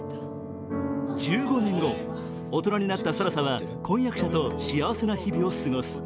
１５年後、大人になった更紗は婚約者と幸せな日々を過ごす。